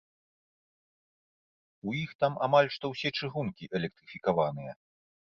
У іх там амаль што ўсе чыгункі электрыфікаваныя.